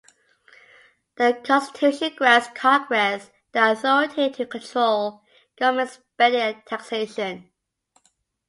The Constitution grants Congress the authority to control government spending and taxation.